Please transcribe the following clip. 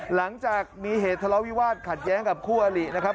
หลังจากมีเหตุทะเลาวิวาสขัดแย้งกับคู่อลินะครับ